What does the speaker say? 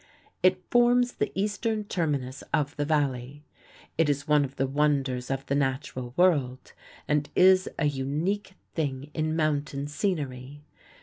It forms the eastern terminus of the Valley. It is one of the wonders of the natural world, and is a unique thing in mountain scenery.